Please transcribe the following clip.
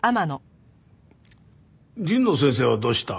神野先生はどうした？